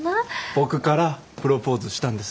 僕からプロポーズしたんです。